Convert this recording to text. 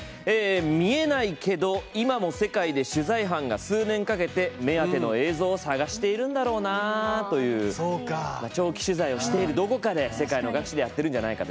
「見えないけど、今も世界で取材班が数年かけて目当ての映像を探しているんだろうな」という長期取材をしている、どこかで世界の各地でやってるんじゃないかなと。